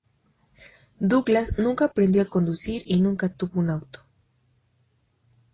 Douglas nunca aprendió a conducir y nunca tuvo un auto.